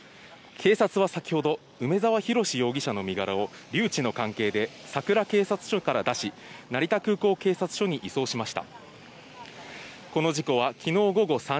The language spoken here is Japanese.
警察は先ほど梅沢洋容疑者の身柄を留置の関係で佐倉警察署から出し、成田空港警察署に移送しました。